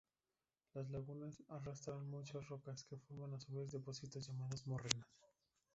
Las lenguas arrastran muchas rocas, que forman a su vez depósitos llamados morrenas.